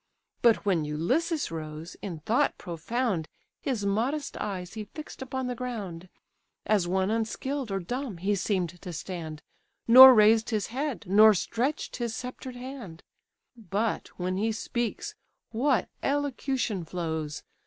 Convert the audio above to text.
But when Ulysses rose, in thought profound, His modest eyes he fix'd upon the ground; As one unskill'd or dumb, he seem'd to stand, Nor raised his head, nor stretch'd his sceptred hand; But, when he speaks, what elocution flows!